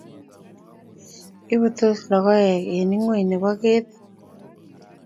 Ibutsot logoek ingweny nebo ketit